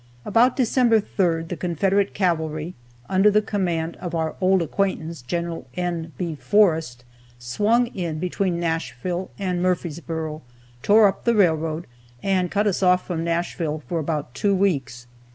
About December 3rd, the Confederate cavalry, under the command of our old acquaintance, Gen. N. B. Forrest, swung in between Nashville and Murfreesboro, tore up the railroad, and cut us off from Nashville for about two weeks.